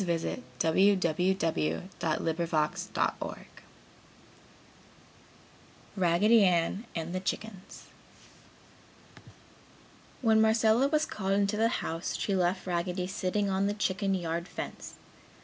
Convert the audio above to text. RAGGEDY ANN AND THE CHICKENS When Marcella was called into the house she left Raggedy sitting on the chicken yard fence.